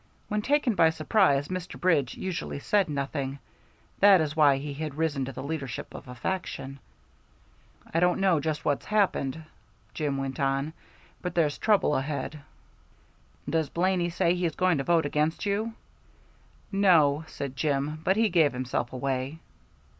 When taken by surprise Mr. Bridge usually said nothing; that is why he had risen to the leadership of a faction. "I don't know just what's happened," Jim went on, "but there's trouble ahead." "Does Blaney say he's going to vote against you?" "No," said Jim, "but he gave himself away."